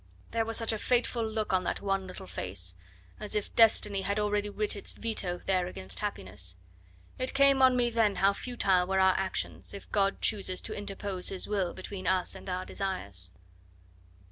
There was such a fateful look on that wan little face, as if destiny had already writ its veto there against happiness. It came on me then how futile were our actions, if God chooses to interpose His will between us and our desires."